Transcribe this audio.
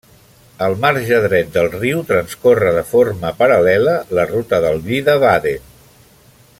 Al marge dret del riu transcorre de forma paral·lela la ruta del vi de Baden.